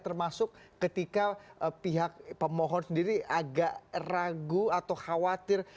termasuk ketika pihak pemohon sendiri agak ragu atau khawatir